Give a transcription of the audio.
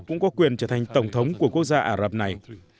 cũng có quyền trở thành tổng thống của quốc gia ả rập này